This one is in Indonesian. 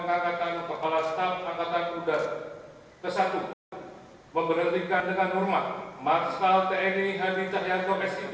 lalu kebangsaan indonesia baik